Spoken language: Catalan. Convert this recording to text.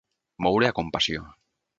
Moure a compassió.